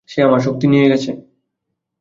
সে আমার শক্তি নিয়ে গেছে।